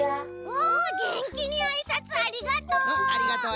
おげんきにあいさつありがとう！